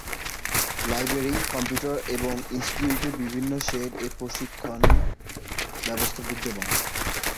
Library, computer এবং ইন্সটিটিউটের বিভিন্ন শেড এ প্রশিক্ষণ ব্যবস্থা বিদ্যমান।